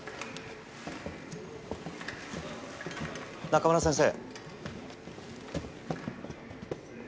仲村先生。